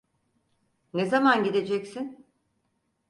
Ne zaman gideceksin?